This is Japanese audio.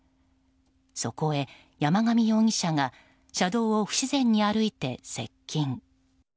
そこへ山上容疑者が車道を不自然に歩いて接近。